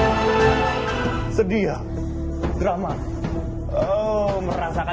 malem ini aku mau ke rumah sakit